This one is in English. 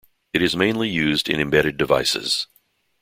It is mainly used in embedded devices.